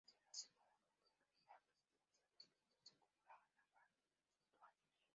Se le asignó la concejalía-presidencia de los distritos de Moncloa-Aravaca y de Tetuán.